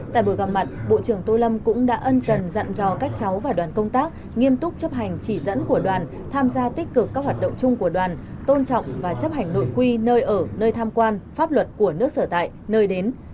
tại buổi gặp mặt bộ trưởng tô lâm cũng đã ân cần dặn dò các cháu và đoàn công tác nghiêm túc chấp hành chỉ dẫn của đoàn tham gia tích cực các hoạt động chung của đoàn tôn trọng và chấp hành nội quy nơi ở nơi tham quan pháp luật của nước sở tại nơi đến